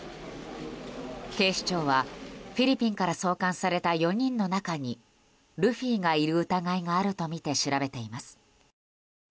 警視庁は、フィリピンから送還された４人の中にルフィがいる疑いがあるとみて調べています。